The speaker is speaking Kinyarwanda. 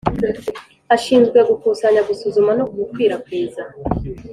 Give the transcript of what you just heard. ashinzwe gukusanya gusuzuma no gukwirakwiza